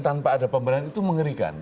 tanpa ada pemberian itu mengerikan